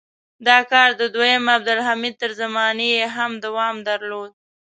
دا کار د دویم عبدالحمید تر زمانې یې هم دوام درلود.